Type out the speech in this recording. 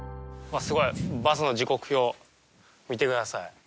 うわっすごいバスの時刻表見てください。